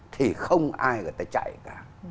thì không ai người ta chạy cả